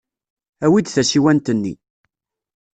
Awi-d tasiwant-nni.